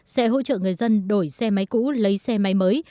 sẽ hỗ trợ người dân đổi xe máy cũ lấy xe máy mới